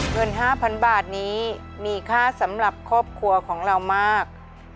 เงิน๕๐๐๐บาทนี้มีค่าสำหรับครอบครัวของเรามาก